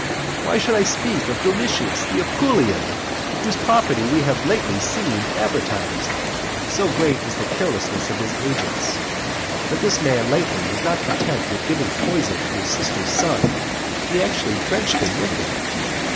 Why should I speak of Domitius the Apulian? whose property we have lately seen advertised, so great is the carelessness of his agents. But this man lately was not content with giving poison to his sister's son, he actually drenched him with it.